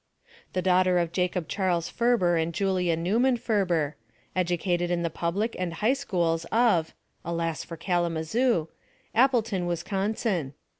The daughter of Jacob Charles Ferber and Julia (Neuman) Ferber. Educated in the public and higK schools of alas for Kalamazoo! Appleton, Wis consin.